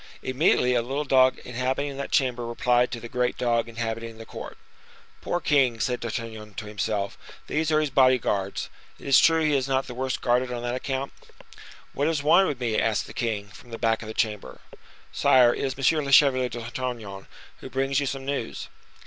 Immediately a little dog inhabiting that chamber replied to the great dog inhabiting the court. "Poor king!" said D'Artagnan to himself, "these are his body guards. It is true he is not the worse guarded on that account." "What is wanted with me?" asked the king, from the back of the chamber. "Sire, it is M. le Chevalier d'Artagnan, who brings you some news."